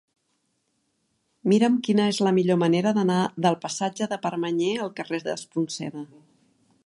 Mira'm quina és la millor manera d'anar del passatge de Permanyer al carrer d'Espronceda.